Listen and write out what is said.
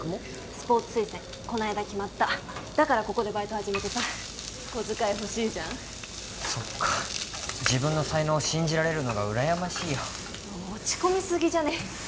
スポーツ推薦こないだ決まっただからここでバイト始めてさ小遣いほしいじゃんそっか自分の才能を信じられるのが羨ましいよ落ち込みすぎじゃね？